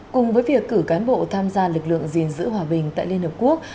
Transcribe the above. cùng với việc cử cán bộ tham gia lực lượng gìn giữ hòa bình tại liên hợp quốc